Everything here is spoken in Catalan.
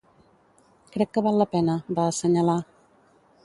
Crec que val la pena, va assenyalar.